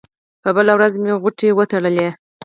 په بله ورځ مې غوټې وتړلې.